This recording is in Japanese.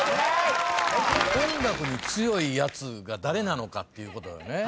音楽に強いやつが誰なのかっていうことよね。